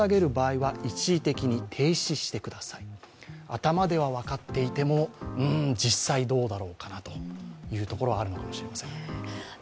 頭では分かっていても実際どうだろうかなというところはあるのかもしれません。